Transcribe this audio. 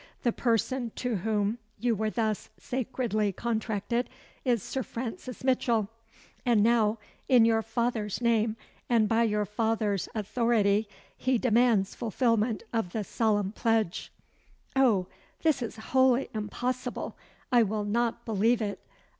The person to whom you were thus sacredly contracted is Sir Francis Mitchell; and now, in your father's name, and by your father's authority, he demands fulfilment of the solemn pledge." "O, this is wholly impossible! I will not believe it!"